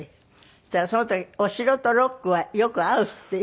そしたらその時お城とロックはよく合うっていう。